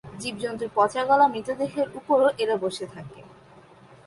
জীবজন্তুর পচা গলা মৃত দেহের উপরও এরা বসে থাকে।